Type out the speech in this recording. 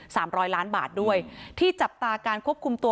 ร้อยล้านบาทด้วยที่จับตาการควบคุมตัว